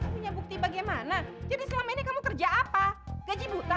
punya bukti bagaimana jadi selama ini kamu kerja apa gaji buta